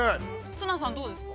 ◆綱さん、どうですか。